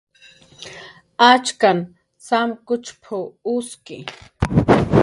"Achkan samkuchp""mn uski"